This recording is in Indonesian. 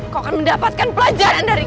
kau akan mendapatkan pelajaran dari